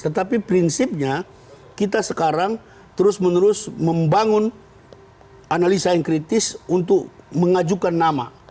tetapi prinsipnya kita sekarang terus menerus membangun analisa yang kritis untuk mengajukan nama